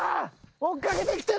追っ掛けてきてる！